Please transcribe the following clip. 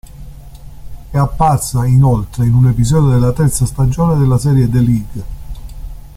È apparsa, inoltre, in un episodio della terza stagione della serie "The League".